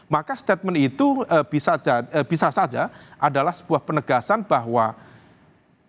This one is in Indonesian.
maka statement itu bisa saja adalah sebuah penegasan bahwa